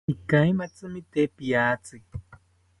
Ikaimaitzimi te piatzi